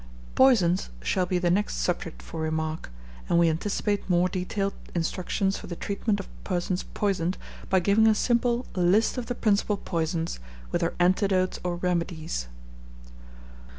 Poisons shall be the next subject for remark; and we anticipate more detailed instructions for the treatment of persons poisoned, by giving a simple LIST OF THE PRINCIPAL POISONS, with their ANTIDOTES OR REMEDIES.